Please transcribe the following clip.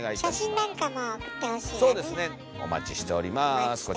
お待ちしてます。